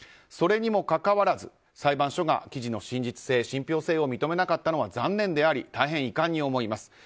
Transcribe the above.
それにもかかわらず裁判所が記事の真実性、信ぴょう性を認めなかったのは残念であり大変遺憾に思います。